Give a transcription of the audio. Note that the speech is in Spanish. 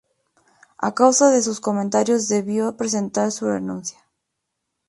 A causa de sus comentarios debió presentar su renuncia.